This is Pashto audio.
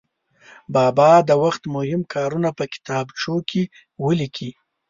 بابا د وخت مهم کارونه په کتابچو کې ولیکي.